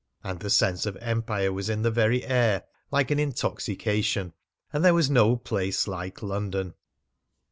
And the sense of empire was in the very air, like an intoxication. And there was no place like London.